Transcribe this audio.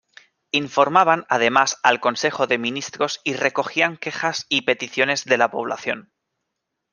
Informaban además al Consejo de Ministros y recogían quejas y peticiones de la población.